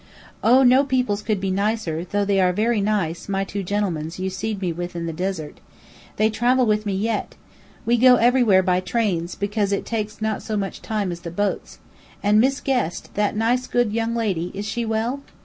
"Oh, no peoples could be nicer, though they are very nice, my two gen'lemens you seed with me in the desert. They travel with me yet. We go everywhere by trains, because it takes not so much time as the boats. And Miss Guest, that nice good young lady, is she well?"